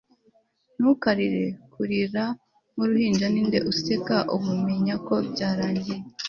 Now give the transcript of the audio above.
Ntukarire kurira nkuruhinjaNinde useka ubuMenya ko byarangiye